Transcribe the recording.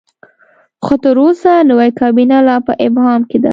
خو تر اوسه نوې کابینه لا په ابهام کې ده.